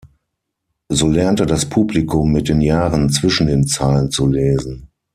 So lernte das Publikum mit den Jahren „zwischen den Zeilen zu lesen“.